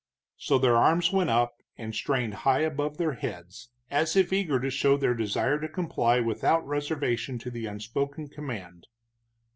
So their arms went up and strained high above their heads, as if eager to show their desire to comply without reservation to the unspoken command.